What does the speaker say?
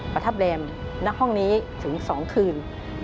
ประทับแรมณห้องนี้ถึง๒คืน